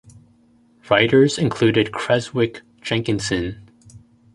Writers included Creswick Jenkinson.